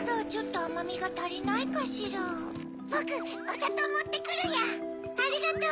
ありがとう！